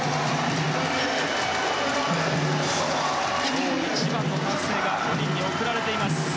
今日一番の歓声が送られています。